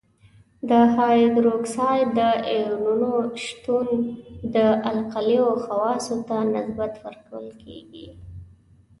د هایدروکساید د آیونونو شتون د القلیو خواصو ته نسبت ورکول کیږي.